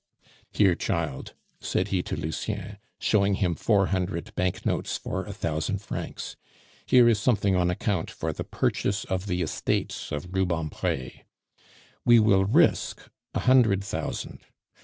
"Here, child," said he to Lucien, showing him four hundred banknotes for a thousand francs, "here is something on account for the purchase of the estates of Rubempre. We will risk a hundred thousand.